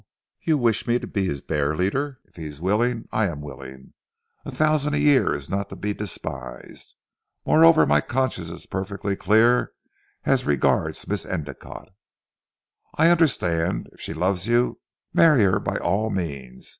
You wish me to be his bear leader? If he is willing, I am willing. A thousand a year is not to be despised. Moreover my conscience is perfectly clear as regards Miss Endicotte." "I understand. If she loves you, marry her by all means!